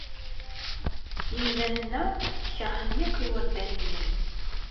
Imdanen-a keṛhen akk iwerdaniyen.